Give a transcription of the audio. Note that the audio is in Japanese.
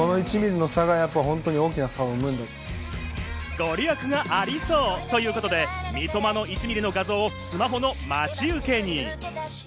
御利益がありそうということで、「三笘の１ミリ」の画像をスマホの待ち受けに。